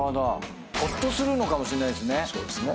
ほっとするのかもしれないですね。